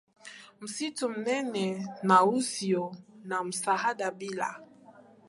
msitu mnene na usio na msamaha Bila